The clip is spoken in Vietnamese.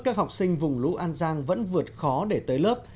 các học sinh vùng lũ an giang vẫn vượt khó để tới lớp